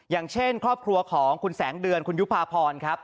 อย่างเช่นครอบครัวของคุณแสงเดือนคุณยุภาพรครับ